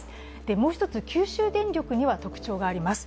もう一つ、九州電力には特徴があります。